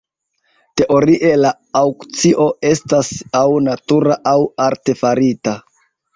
Teorie la aŭkcio estas aŭ natura aŭ artefarita.